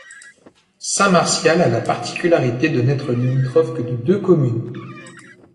Saint-Martial a la particularité de n'être limitrophe que de deux communes.